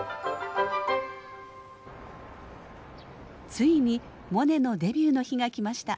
ついにモネのデビューの日が来ました。